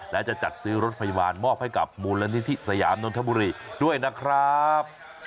และจะจัดซื้อรถพยาบาลมอบให้กับมูลนิธิสยามนนทบุรีด้วยนะครับ